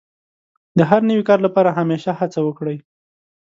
د هر نوي کار لپاره همېشه هڅه وکړئ.